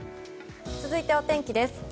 続いて、お天気です。